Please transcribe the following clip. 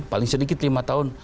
paling sedikit lima tahun